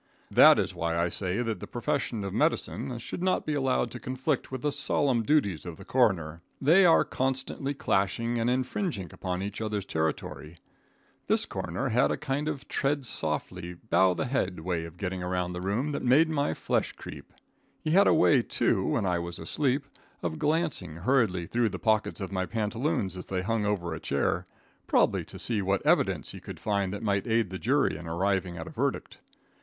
That is why I say that the profession of medicine should not be allowed to conflict with the solemn duties of the coroner. They are constantly clashing and infringing upon each other's territory. This coroner had a kind of tread softly bow the head way of getting around the room that made my flesh creep. He had a way, too, when I was asleep, of glancing hurriedly through the pockets of my pantaloons as they hung over a chair, probably to see what evidence he could find that might aid the jury in arriving at a verdict.